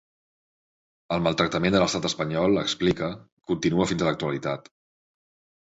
El maltractament de l’estat espanyol, explica, continua fins a l’actualitat.